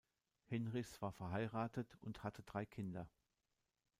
Hinrichs war verheiratet und hatte drei Kinder.